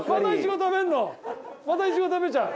またいちご食べちゃう？